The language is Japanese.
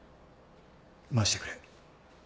回してくれ。